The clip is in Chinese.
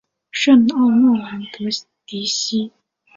圣奥诺兰德迪西。